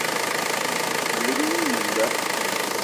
Me lik mina mininga